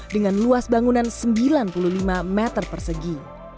dengan luas bangunan sembilan puluh lima meter persegi